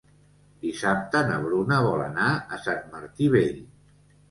Dissabte na Bruna vol anar a Sant Martí Vell.